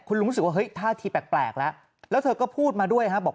คุณลุงรู้สึกว่าเฮ้ยท่าทีแปลกแล้วแล้วเธอก็พูดมาด้วยครับบอก